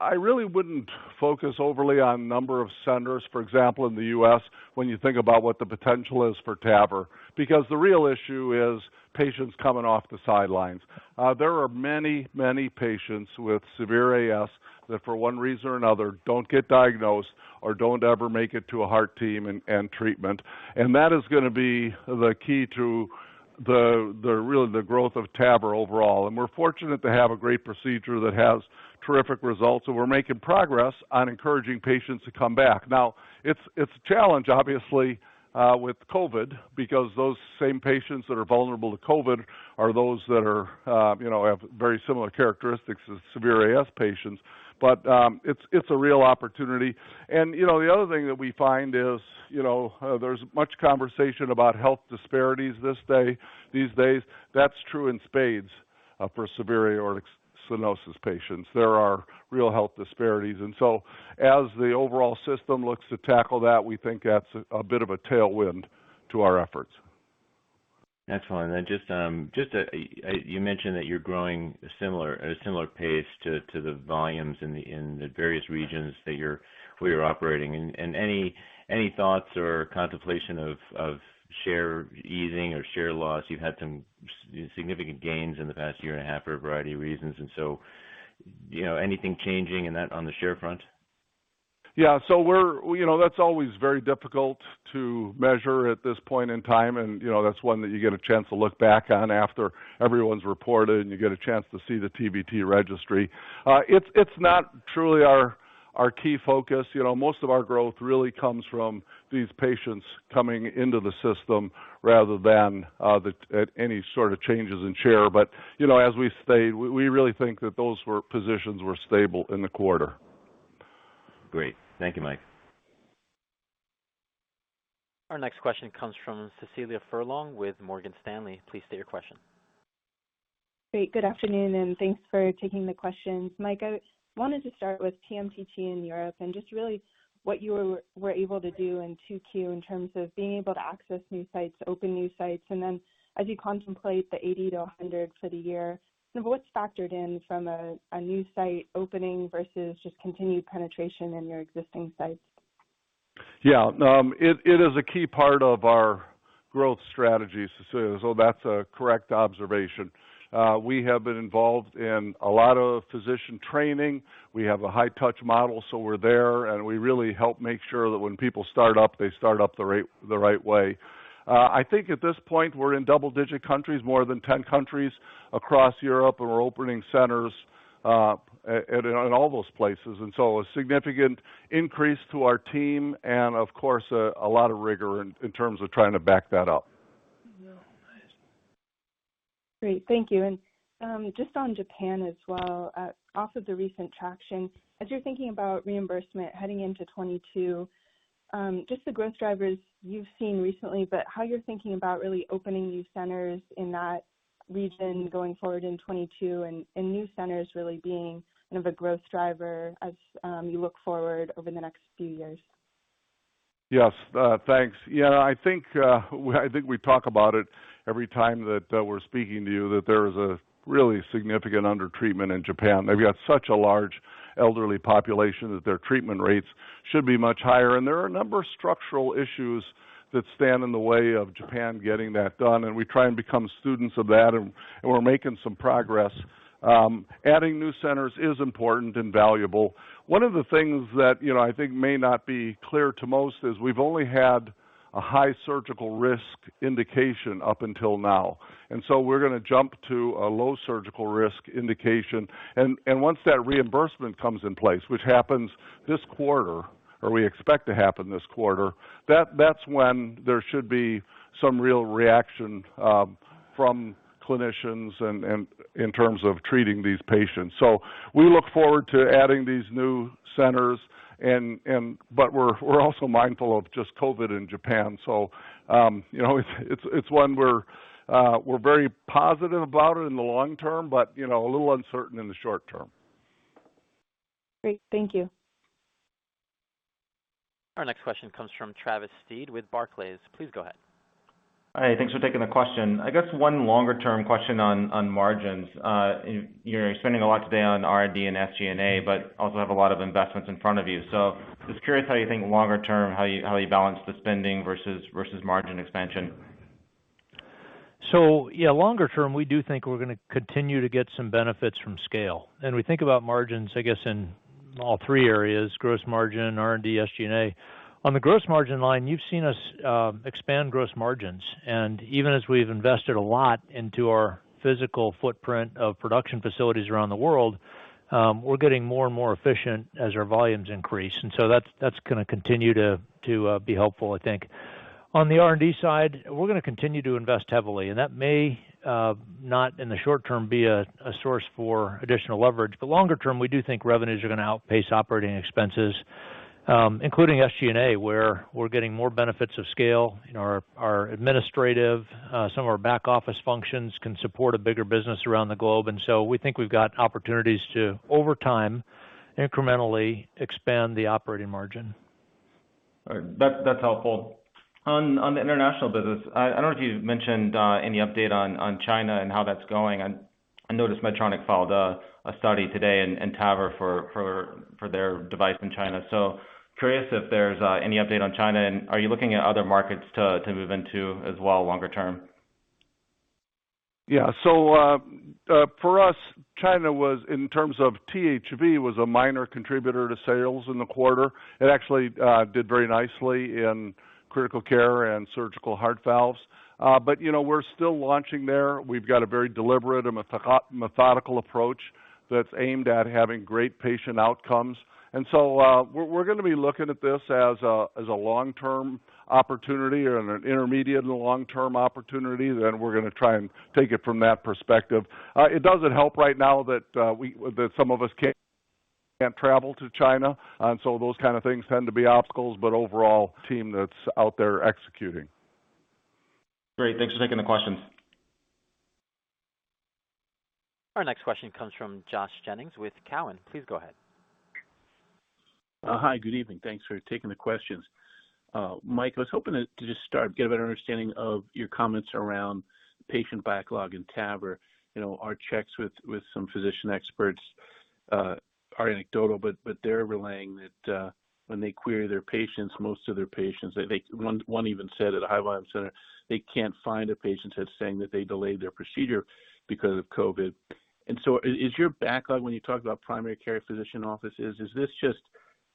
I really wouldn't focus overly on number of centers, for example, in the U.S. when you think about what the potential is for TAVR because the real issue is patients coming off the sidelines. There are many patients with severe AS that for one reason or another don't get diagnosed or don't ever make it to a heart team and treatment. That is going to be the key to really the growth of TAVR overall. We're fortunate to have a great procedure that has terrific results, and we're making progress on encouraging patients to come back. Now, it's a challenge, obviously, with COVID because those same patients that are vulnerable to COVID are those that have very similar characteristics as severe AS patients. It's a real opportunity. The other thing that we find is there's much conversation about health disparities these days. That's true in spades for severe aortic stenosis patients. There are real health disparities. As the overall system looks to tackle that, we think that's a bit of a tailwind to our efforts.
That's fine. Just, you mentioned that you're growing at a similar pace to the volumes in the various regions where you're operating. Any thoughts or contemplation of share easing or share loss? You've had some significant gains in the past year and a half for a variety of reasons. Anything changing in that on the share front?
Yeah. That's always very difficult to measure at this point in time, and that's one that you get a chance to look back on after everyone's reported, and you get a chance to see the TVT Registry. It's not truly our key focus. Most of our growth really comes from these patients coming into the system rather than any sort of changes in share. As we've stayed, we really think that those positions were stable in the quarter.
Great. Thank you, Mike.
Our next question comes from Cecilia Furlong with Morgan Stanley. Please state your question.
Great. Good afternoon, thanks for taking the questions. Mike, I wanted to start with TMTT in Europe and just really what you were able to do in 2Q in terms of being able to access new sites, open new sites, as you contemplate the 80-100 for the year, what's factored in from a new site opening versus just continued penetration in your existing sites?
Yeah. It is a key part of our growth strategy, Cecilia. That's a correct observation. We have been involved in a lot of physician training. We have a high-touch model, so we're there, and we really help make sure that when people start up, they start up the right way. I think at this point, we're in double-digit countries, more than 10 countries across Europe, and we're opening centers in all those places. A significant increase to our team and, of course, a lot of rigor in terms of trying to back that up.
Yeah. Great. Thank you. Just on Japan as well, off of the recent traction, as you're thinking about reimbursement heading into 2022, just the growth drivers you've seen recently, how you're thinking about really opening new centers in that region going forward in 2022, new centers really being kind of a growth driver as you look forward over the next few years.
Yes. Thanks. I think we talk about it every time that we're speaking to you that there is a really significant undertreatment in Japan. They've got such a large elderly population that their treatment rates should be much higher. There are a number of structural issues that stand in the way of Japan getting that done, and we try and become students of that, and we're making some progress. Adding new centers is important and valuable. One of the things that I think may not be clear to most is we've only had a high surgical risk indication up until now. We're going to jump to a low surgical risk indication. Once that reimbursement comes in place, which happens this quarter, or we expect to happen this quarter, that's when there should be some real reaction from clinicians and in terms of treating these patients. We look forward to adding these new centers, but we're also mindful of just COVID in Japan. It's one we're very positive about in the long term but a little uncertain in the short term.
Great. Thank you.
Our next question comes from Travis Steed with Barclays. Please go ahead.
Hi. Thanks for taking the question. I guess one longer-term question on margins. You're spending a lot today on R&D and SG&A but also have a lot of investments in front of you. Just curious how you think longer term, how you balance the spending versus margin expansion.
Yeah, longer term, we do think we're going to continue to get some benefits from scale. We think about margins, I guess, in all three areas, gross margin, R&D, SG&A. On the gross margin line, you've seen us expand gross margins. Even as we've invested a lot into our physical footprint of production facilities around the world, we're getting more and more efficient as our volumes increase. That's going to continue to be helpful, I think. On the R&D side, we're going to continue to invest heavily, and that may not, in the short term, be a source for additional leverage. Longer term, we do think revenues are going to outpace operating expenses, including SG&A, where we're getting more benefits of scale. Our administrative, some of our back-office functions can support a bigger business around the globe. We think we've got opportunities to, over time, incrementally expand the operating margin.
All right. That's helpful. On the international business, I don't know if you mentioned any update on China and how that's going. I noticed Medtronic filed a study today and TAVR for their device in China. Curious if there's any update on China, and are you looking at other markets to move into as well longer term?
For us, China was, in terms of THV, a minor contributor to sales in the quarter. It actually did very nicely in critical care and surgical heart valves. We're still launching there. We've got a very deliberate and methodical approach that's aimed at having great patient outcomes. We're going to be looking at this as a long-term opportunity or an intermediate and long-term opportunity, then we're going to try and take it from that perspective. It doesn't help right now that some of us can't travel to China. Those kind of things tend to be obstacles, but overall team that's out there executing.
Great. Thanks for taking the questions.
Our next question comes from Josh Jennings with Cowen. Please go ahead.
Hi. Good evening. Thanks for taking the questions. Mike, I was hoping to just start, get a better understanding of your comments around patient backlog and TAVR. Our checks with some physician experts are anecdotal, but they're relaying that when they query their patients, most of their patients, one even said at a high-volume center, they can't find a patient that's saying that they delayed their procedure because of COVID. Is your backlog, when you talk about primary care physician offices, is this just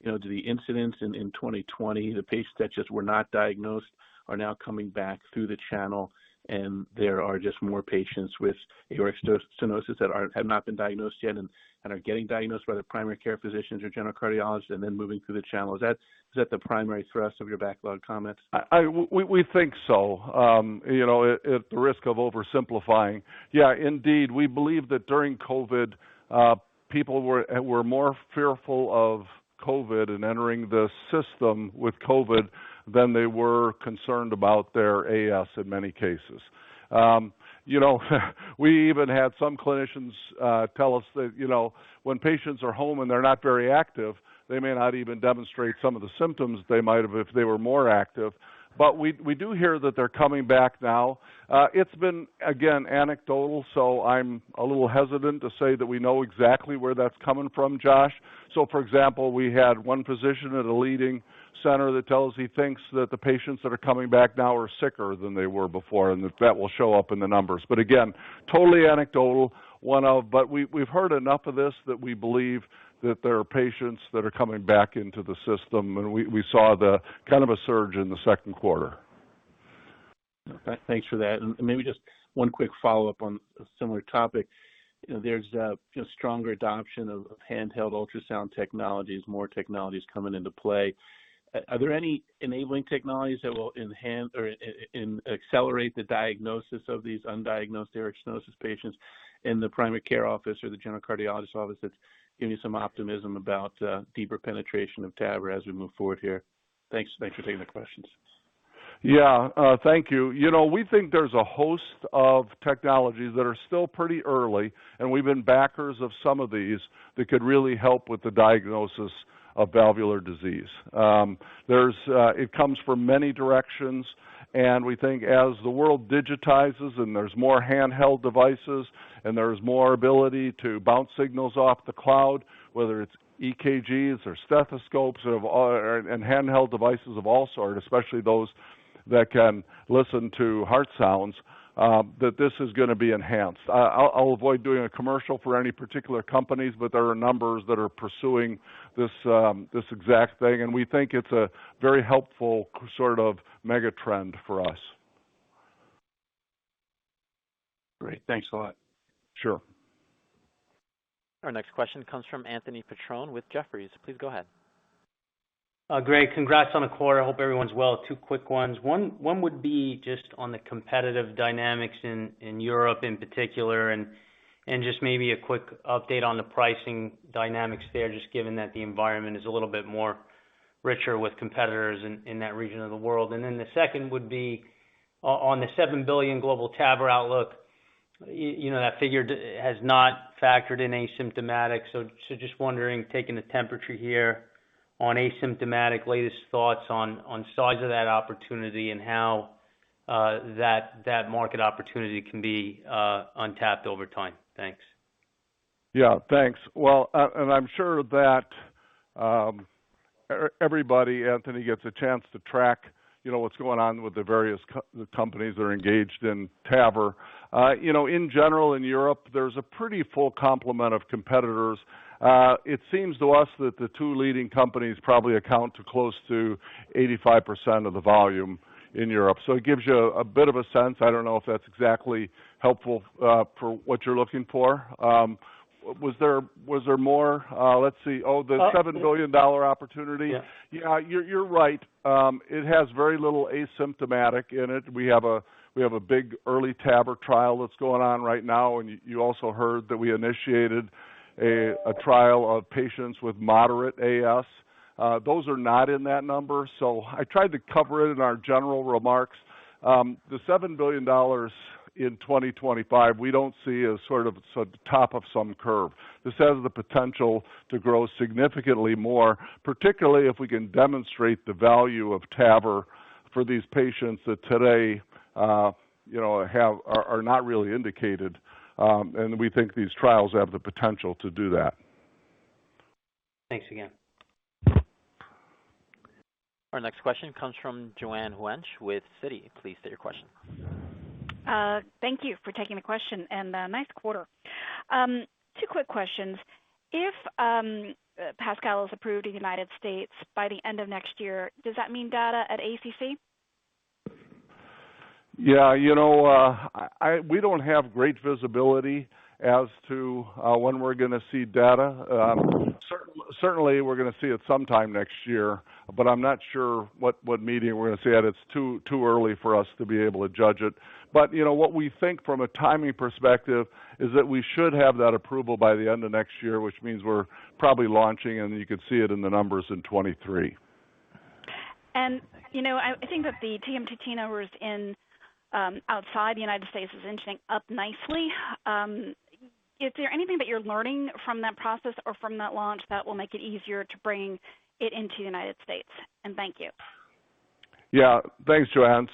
the incidents in 2020, the patients that just were not diagnosed are now coming back through the channel, and there are just more patients with aortic stenosis that have not been diagnosed yet and are getting diagnosed by their primary care physicians or general cardiologist and then moving through the channel? Is that the primary thrust of your backlog comments?
We think so. At the risk of oversimplifying, yeah, indeed, we believe that during COVID, people were more fearful of COVID and entering the system with COVID than they were concerned about their AS in many cases. We even had some clinicians tell us that when patients are home and they're not very active, they may not even demonstrate some of the symptoms they might have if they were more active. We do hear that they're coming back now. It's been, again, anecdotal, so I'm a little hesitant to say that we know exactly where that's coming from, Josh. For example, we had one physician at a leading center that tells he thinks that the patients that are coming back now are sicker than they were before, and that will show up in the numbers. Again, totally anecdotal, we've heard enough of this that we believe that there are patients that are coming back into the system, and we saw the kind of a surge in the second quarter.
Okay. Thanks for that. Maybe just one quick follow-up on a similar topic. There's a stronger adoption of handheld ultrasound technologies, more technologies coming into play. Are there any enabling technologies that will enhance or accelerate the diagnosis of these undiagnosed aortic stenosis patients in the primary care office or the general cardiologist office that give you some optimism about deeper penetration of TAVR as we move forward here? Thanks for taking the questions.
Yeah. Thank you. We think there's a host of technologies that are still pretty early, and we've been backers of some of these that could really help with the diagnosis of valvular disease. It comes from many directions, and we think as the world digitizes and there's more handheld devices and there's more ability to bounce signals off the cloud, whether it's EKGs or stethoscopes and handheld devices of all sort, especially those that can listen to heart sounds, that this is going to be enhanced. I'll avoid doing a commercial for any particular companies, but there are numbers that are pursuing this exact thing, and we think it's a very helpful sort of mega trend for us.
Great. Thanks a lot.
Sure.
Our next question comes from Anthony Petrone with Jefferies. Please go ahead.
Great. Congrats on the quarter. I hope everyone's well. Two quick ones. One would be just on the competitive dynamics in Europe in particular, and just maybe a quick update on the pricing dynamics there, just given that the environment is a little bit more richer with competitors in that region of the world. The second would be on the $7 billion global TAVR outlook. That figure has not factored in asymptomatic. Just wondering, taking the temperature here on asymptomatic, latest thoughts on size of that opportunity and how that market opportunity can be untapped over time. Thanks.
Yeah. Thanks. Well, I'm sure that everybody, Anthony, gets a chance to track what's going on with the various companies that are engaged in TAVR. In general, in Europe, there's a pretty full complement of competitors. It seems to us that the two leading companies probably account to close to 85% of the volume in Europe. It gives you a bit of a sense. I don't know if that's exactly helpful for what you're looking for. Was there more? Let's see. the $7 billion opportunity?
Yeah.
Yeah. You're right. It has very little asymptomatic in it. We have a big early TAVR trial that's going on right now, and you also heard that we initiated a trial of patients with moderate AS. Those are not in that number. I tried to cover it in our general remarks. The $7 billion in 2025 we don't see as sort of top of some curve. This has the potential to grow significantly more, particularly if we can demonstrate the value of TAVR for these patients that today are not really indicated. We think these trials have the potential to do that.
Thanks again.
Our next question comes from Joanne Wuensch with Citi. Please state your question.
Thank you for taking the question, and nice quarter. Two quick questions. If PASCAL is approved in the United States by the end of next year, does that mean data at ACC?
Yeah. We don't have great visibility as to when we're going to see data. Certainly, we're going to see it sometime next year. I'm not sure what meeting we're going to see it. It's too early for us to be able to judge it. What we think from a timing perspective is that we should have that approval by the end of next year, which means we're probably launching and you could see it in the numbers in 2023.
I think that the TMT turnovers outside the United States is inching up nicely. Is there anything that you're learning from that process or from that launch that will make it easier to bring it into the United States? Thank you.
Yeah. Thanks, Joanne.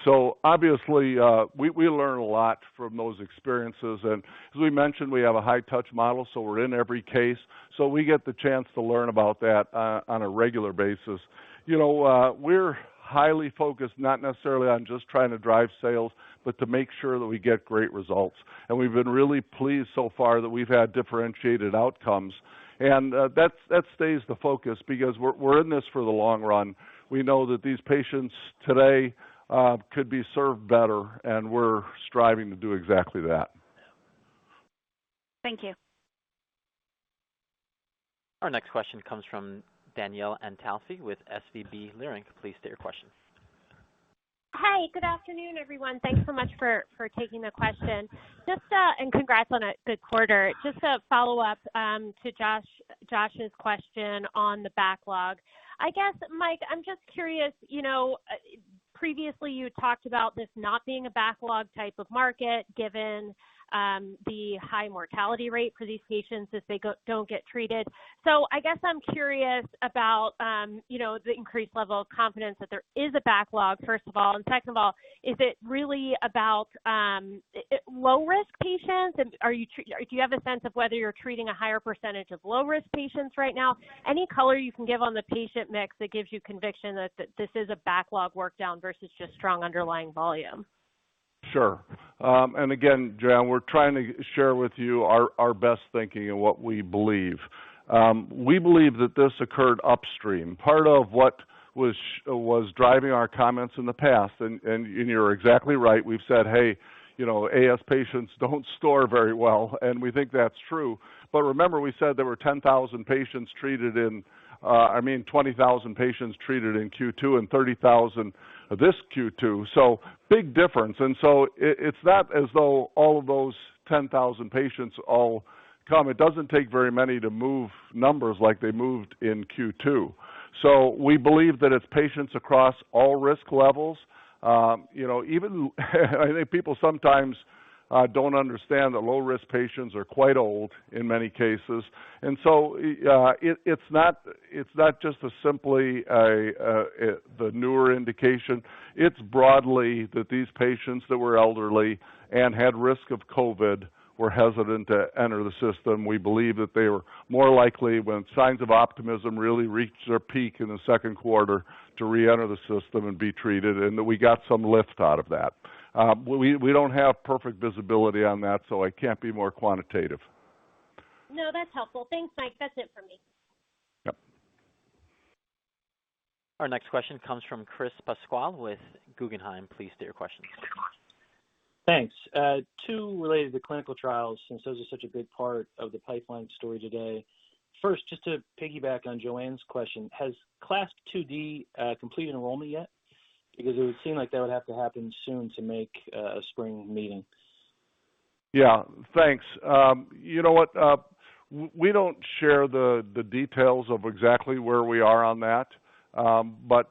Obviously, we learn a lot from those experiences. As we mentioned, we have a high-touch model, so we're in every case. We get the chance to learn about that on a regular basis. We're highly focused, not necessarily on just trying to drive sales, but to make sure that we get great results. We've been really pleased so far that we've had differentiated outcomes. That stays the focus because we're in this for the long run. We know that these patients today could be served better, and we're striving to do exactly that.
Thank you.
Our next question comes from Danielle Antalffy with SVB Leerink. Please state your question.
Hi. Good afternoon, everyone. Thanks so much for taking the question. Congrats on a good quarter. Just a follow-up to Josh's question on the backlog. I guess, Mike, I'm just curious. Previously you had talked about this not being a backlog type of market given the high mortality rate for these patients if they don't get treated. I guess I'm curious about the increased level of confidence that there is a backlog, first of all. Second of all, is it really about low-risk patients? Do you have a sense of whether you're treating a higher percentage of low-risk patients right now? Any color you can give on the patient mix that gives you conviction that this is a backlog work down versus just strong underlying volume?
Sure. Again, Danielle, we're trying to share with you our best thinking and what we believe. We believe that this occurred upstream. Part of what was driving our comments in the past, and you're exactly right, we've said, Hey, AS patients don't score very well. We think that's true. Remember, we said there were 10,000 patients treated in I mean, 20,000 patients treated in Q2 and 30,000 this Q2. Big difference. It's not as though all of those 10,000 patients all come. It doesn't take very many to move numbers like they moved in Q2. We believe that it's patients across all risk levels. I think people sometimes don't understand that low-risk patients are quite old in many cases. It's not just simply the newer indication. It's broadly that these patients that were elderly and had risk of COVID were hesitant to enter the system. We believe that they were more likely when signs of optimism really reached their peak in the second quarter to reenter the system and be treated, and that we got some lift out of that. We don't have perfect visibility on that, so I can't be more quantitative.
No, that's helpful. Thanks, Mike. That's it from me.
Yep.
Our next question comes from Chris Pasquale with Guggenheim. Please state your question.
Thanks. Two related to clinical trials since those are such a big part of the pipeline story today. First, just to piggyback on Joanne's question, has CLASP IID completed enrollment yet? It would seem like that would have to happen soon to make a spring meeting.
Yeah. Thanks. You know what, we don't share the details of exactly where we are on that.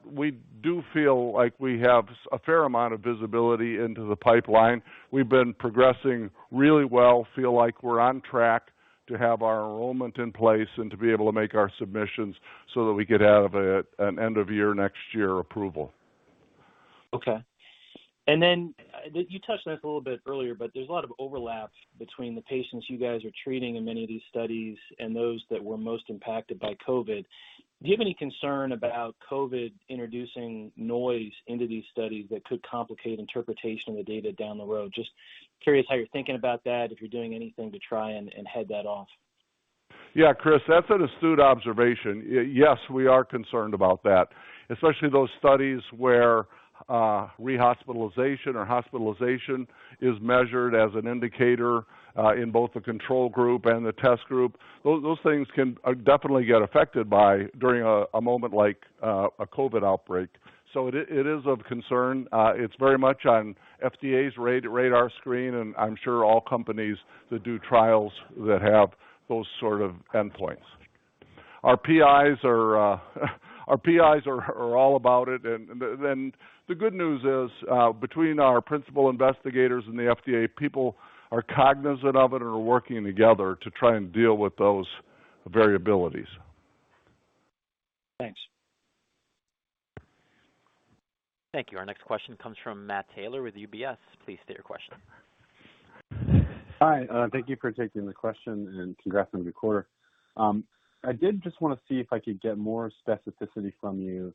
We do feel like we have a fair amount of visibility into the pipeline. We've been progressing really well, feel like we're on track to have our enrollment in place and to be able to make our submissions so that we get out of it an end-of-year, next year approval.
Okay. You touched on this a little bit earlier, but there's a lot of overlap between the patients you guys are treating in many of these studies and those that were most impacted by COVID. Do you have any concern about COVID introducing noise into these studies that could complicate interpretation of the data down the road? Just curious how you're thinking about that, if you're doing anything to try and head that off.
Yeah, Chris, that's an astute observation. Yes, we are concerned about that, especially those studies where rehospitalization or hospitalization is measured as an indicator in both the control group and the test group. Those things can definitely get affected by during a moment like a COVID outbreak. It is of concern. It's very much on FDA's radar screen, and I'm sure all companies that do trials that have those sort of endpoints. Our PIs are all about it. The good news is, between our principal investigators and the FDA, people are cognizant of it and are working together to try and deal with those variabilities.
Thanks.
Thank you. Our next question comes from Matt Taylor with UBS. Please state your question.
Hi. Thank you for taking the question, and congrats on your quarter. I did just want to see if I could get more specificity from you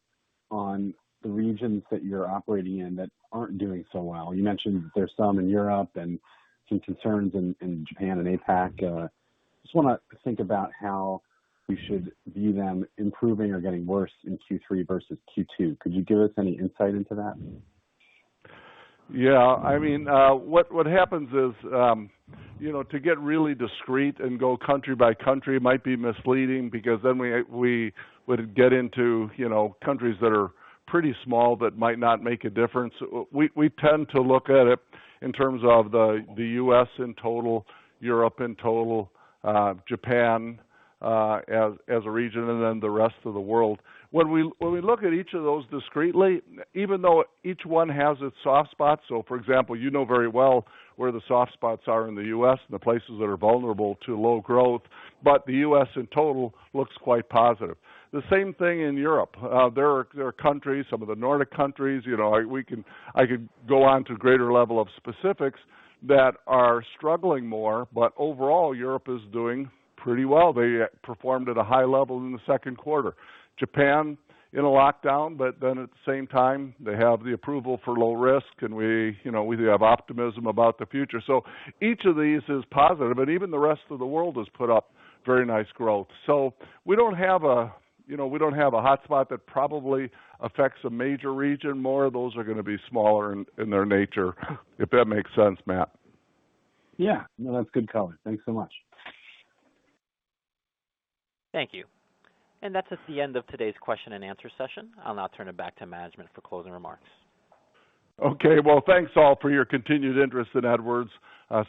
on the regions that you're operating in that aren't doing so well. You mentioned there's some in Europe and some concerns in Japan and APAC. Just want to think about how we should view them improving or getting worse in Q3 versus Q2. Could you give us any insight into that?
Yeah. What happens is, to get really discrete and go country by country might be misleading because then we would get into countries that are pretty small that might not make a difference. We tend to look at it in terms of the U.S. in total, Europe in total, Japan as a region, and then the rest of the world. When we look at each of those discretely, even though each one has its soft spots, so for example, you know very well where the soft spots are in the U.S. and the places that are vulnerable to low growth. The U.S. in total looks quite positive. The same thing in Europe. There are countries, some of the Nordic countries, I could go on to a greater level of specifics, that are struggling more. Overall, Europe is doing pretty well. They performed at a high level in the second quarter. Japan in a lockdown, then at the same time, they have the approval for low risk, and we do have optimism about the future. Each of these is positive, but even the rest of the world has put up very nice growth. We don't have a hotspot that probably affects a major region more. Those are going to be smaller in their nature. If that makes sense, Matt.
Yeah. No, that's good color. Thanks so much.
Thank you. That's just the end of today's question and answer session. I'll now turn it back to management for closing remarks.
Okay. Well, thanks, all, for your continued interest in Edwards.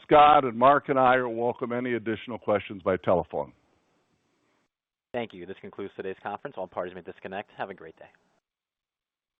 Scott and Mark and I will welcome any additional questions by telephone.
Thank you. This concludes today's conference. All parties may disconnect. Have a great day.